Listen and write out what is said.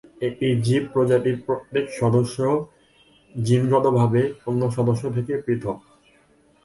একটি জীবপ্রজাতির প্রত্যেক সদস্য জিনগতভাবে অন্য সদস্য থেকে পৃথক।